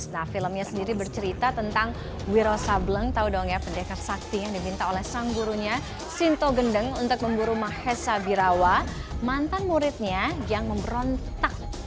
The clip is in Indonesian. nah filmnya sendiri bercerita tentang wiro sableng tahu dong ya pendekar sakti yang diminta oleh sang gurunya sinto gendeng untuk memburu mahesa birawa mantan muridnya yang memberontak